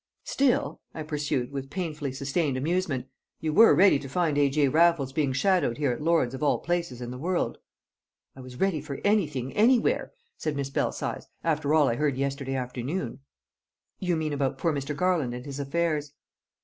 "Still," I pursued, with painfully sustained amusement, "you were ready to find A.J. Raffles being shadowed here at Lord's of all places in the world?" "I was ready for anything, anywhere," said Miss Belsize, "after all I heard yesterday afternoon." "You mean about poor Mr. Garland and his affairs?"